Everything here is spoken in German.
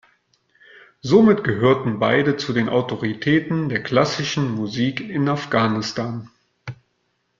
Somit gehörten beide zu den Autoritäten der klassischen Musik in Afghanistan.